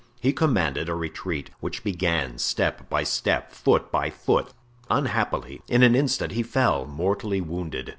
He commanded a retreat, which began, step by step, foot by foot; unhappily, in an instant he fell, mortally wounded.